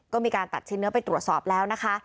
ก็มีการตัดชิ้นเนื้อไปตรวจสอบแล้วนะคะ